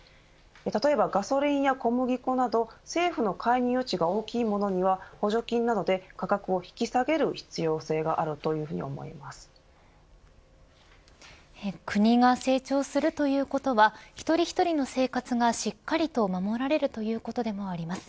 例えば、ガソリンや小麦粉など政府の介入余地が大きいものには補助金などで価格を引き下げる必要性がある国が成長するということは一人一人の生活がしっかりと守られるということでもあります。